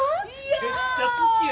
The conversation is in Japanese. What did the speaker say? めっちゃ好きや。